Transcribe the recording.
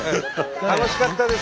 楽しかったです。